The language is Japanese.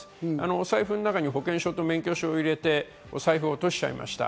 お財布の中に保険証と免許証を入れて、お財布を落としちゃいました。